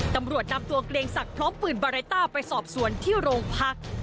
ตำรวจนำตัวกเลงสักพร้อมปืนบาร์ไอต้าไปสอบสวนที่โรงพัก